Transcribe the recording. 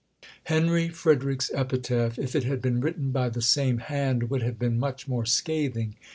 Henry Frederick's epitaph, if it had been written by the same hand, would have been much more scathing.